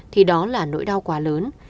thì đó là nỗi đau quá lớn